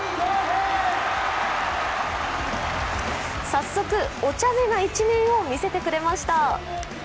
早速、おちゃめな一面を見せてくれました。